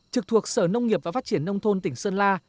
trực thuộc sở nông nghiệp và phát triển nông thôn tỉnh sơn la